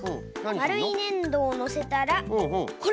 まるいねんどをのせたらほら！